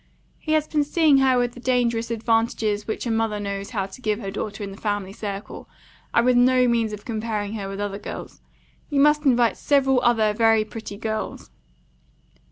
He has been seeing her with the dangerous advantages which a mother knows how to give her daughter in the family circle, and with no means of comparing her with other girls. You must invite several other very pretty girls."